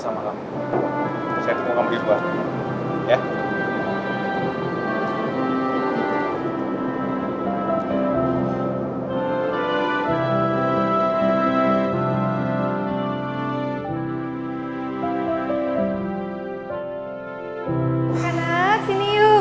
anak anak sini yuk